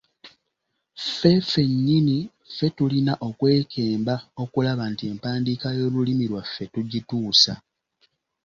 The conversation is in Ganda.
Ffe ffennyini ffe tulina okwekemba okulaba nti empandiika y’Olulimi lwaffe tugituusa.